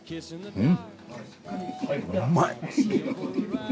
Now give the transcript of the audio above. うん。